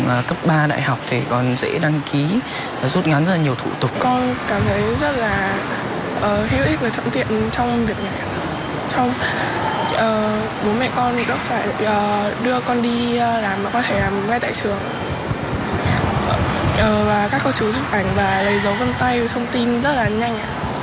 và các cô chú giúp ảnh và lấy dấu gân tay thông tin rất là nhanh